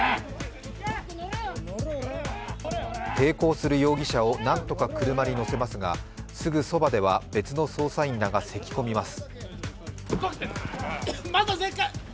抵抗する容疑者を何とか車に乗せますがすぐそばでは、別の捜査員らがせきこみます。